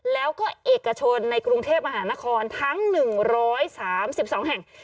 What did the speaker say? แล้วก็เอกชนในกรุงเทพมหานครทั้ง๑๓๒แห่ง